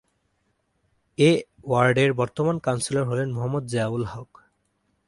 এ ওয়ার্ডের বর্তমান কাউন্সিলর হলেন মোহাম্মদ জিয়াউল হক।